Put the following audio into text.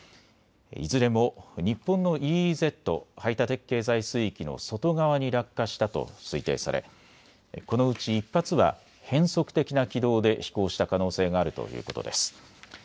いずれも日本のＥＥＺ・排他的経済水域の外側に落下したと推定されこのうち１発は変則的な軌道で飛行した可能性があるということです。